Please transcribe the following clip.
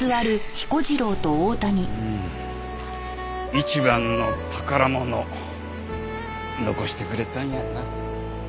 一番の宝物残してくれたんやな。